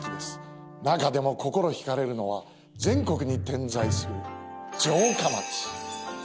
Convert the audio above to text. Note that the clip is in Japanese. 中でも心惹かれるのは全国に点在する城下町。